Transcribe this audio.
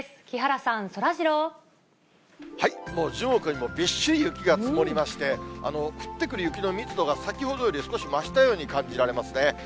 木原さん、もう樹木にもびっしり雪が積もりまして、降ってくる雪の密度が、先ほどより少し増したように感じられますね。